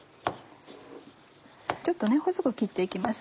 ちょっと細く切って行きます。